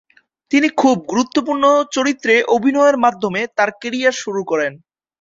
তিনি খুব গুরুত্বপূর্ণ চরিত্রে অভিনয়ের মাধ্যমে তার ক্যারিয়ার শুরু করেন।